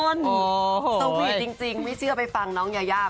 สวีทจริงไม่เชื่อไปฟังน้องยายา